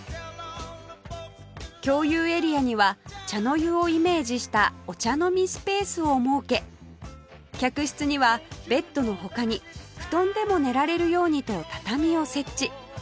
共有エリアには茶の湯をイメージしたお茶飲みスペースを設け客室にはベッドの他に布団でも寝られるようにと畳を設置